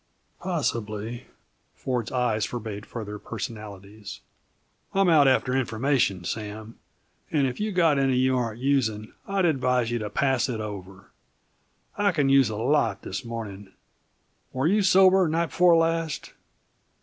"Possibly." Ford's eyes forbade further personalities. "I'm out after information, Sam, and if you've got any you aren't using, I'd advise you to pass it over; I can use a lot, this morning. Were you sober, night before last?"